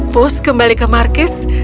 pus kembali ke markis